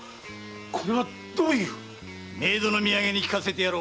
これはどういう⁉冥土の土産に聞かせてやろう。